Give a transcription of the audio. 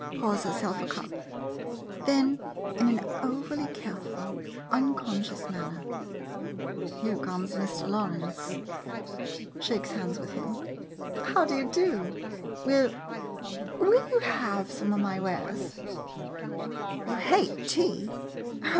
[Pours herself a cup — then in an over carefully unconscious man ner.] Here comes Mr. Lawrence. [Shakes hands with him.] How do you do? Will — will you have some of my wares? You hate tea?